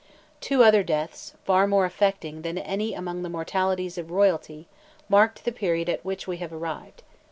Two other deaths, far more affecting than any among the mortalities of royalty, marked the period at which we have arrived.